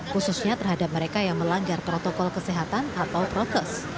khususnya terhadap mereka yang melanggar protokol kesehatan atau prokes